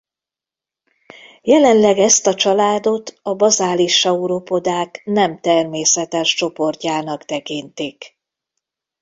Jelenleg ezt a családot a bazális sauropodák nem természetes csoportjának tekintik.